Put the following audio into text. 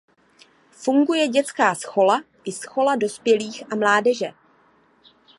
Funguje dětská schola i schola dospělých a mládeže.